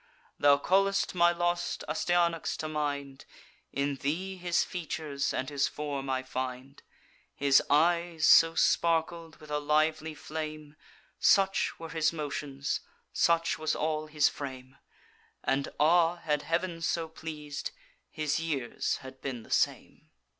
Thou call'st my lost Astyanax to mind; In thee his features and his form I find: His eyes so sparkled with a lively flame; Such were his motions; such was all his frame; And ah! had Heav'n so pleas'd, his years had been the same.